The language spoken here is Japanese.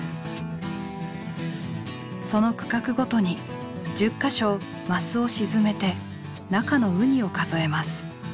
その区画ごとに１０か所マスを沈めて中のウニを数えます。